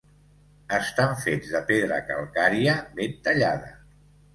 Estan fets de pedra calcària ben tallada.